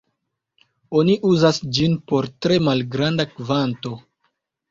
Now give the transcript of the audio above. Oni uzas ĝin por tre malgranda kvanto.